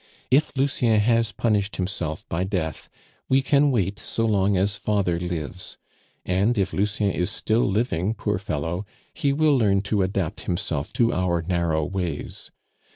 "If Lucien has punished himself by death, we can wait so long as father lives; and if Lucien is still living, poor fellow, he will learn to adapt himself to our narrow ways.